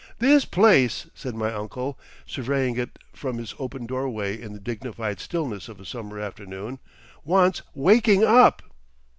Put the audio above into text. "This place," said my uncle, surveying it from his open doorway in the dignified stillness of a summer afternoon, "wants Waking Up!"